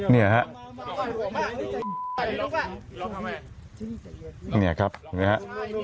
เนี่ยครับนี่ฮะ